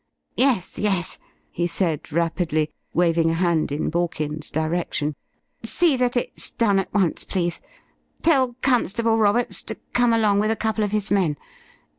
"Yes yes," he said, rapidly, waving a hand in Borkins's direction. "See that it's done at once, please. Tell Constable Roberts to come along with a couple of his men.